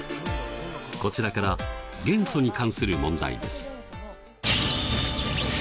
こちらから元素に関する問題です。